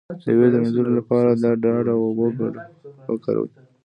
د ویرې د مینځلو لپاره د ډاډ او اوبو ګډول وکاروئ